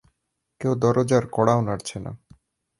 কেউ দরজার কড়াও নাড়ছে না।